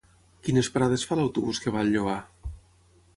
Quines parades fa l'autobús que va al Lloar?